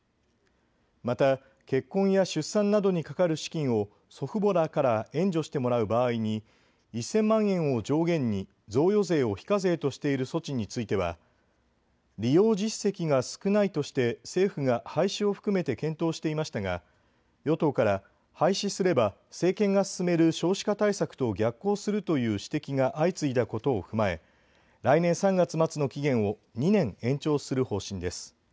また結婚や出産などにかかる資金を祖父母らから援助してもらう場合に１０００万円を上限に贈与税を非課税としている措置については利用実績が少ないとして政府が廃止を含めて検討していましたが与党から廃止すれば政権が進める少子化対策と逆行するという指摘が相次いだことを踏まえ来年３月末の期限を２年延長する方針です。